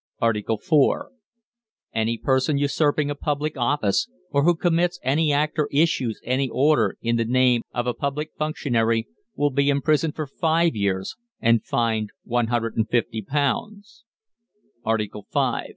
ARTICLE IV. Any person usurping a public office, or who commits any act or issues any order in the name of a public functionary, will be imprisoned for five years, and fined £150. ARTICLE V.